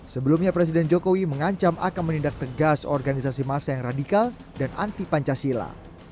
sebelumnya presiden jokowi mengancam akan menindak tegas organisasi masa yang radikal dan anti pancasila